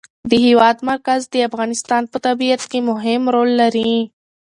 د هېواد مرکز د افغانستان په طبیعت کې مهم رول لري.